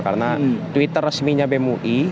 karena twitter resminya bemui